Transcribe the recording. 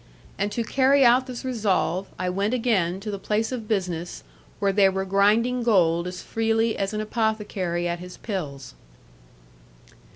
And to carry out this resolve, I went again to the place of business where they were grinding gold as freely as an apothecary at his pills.